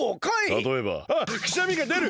たとえば「あくしゃみがでる！